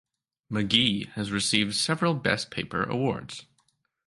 Magee has received several best paper awards.